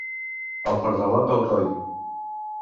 El pardalot d'Alcoi.